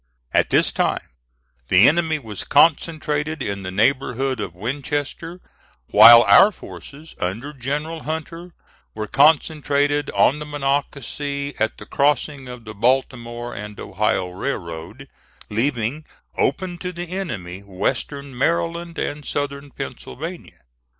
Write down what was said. At this time the enemy was concentrated in the neighborhood of Winchester, while our forces, under General Hunter, were concentrated on the Monocacy, at the crossing of the Baltimore and Ohio Railroad, leaving open to the enemy Western Maryland and Southern Pennsylvania.